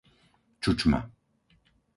Čučma